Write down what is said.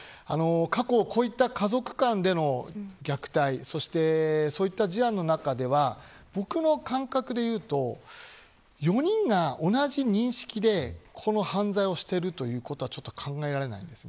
過去こういった家族間での虐待そして、そうした事案の中では僕の感覚で言うと４人が同じ認識で犯罪をしているということはちょっと考えられません。